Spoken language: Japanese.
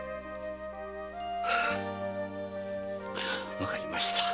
わかりました。